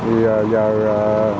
bây giờ giờ